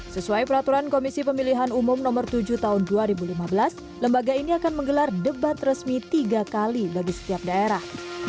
sesuai peraturan komisi pemilihan umum no tujuh tahun dua ribu lima belas lembaga ini akan menggelar debat resmi tiga kali bagi setiap daerah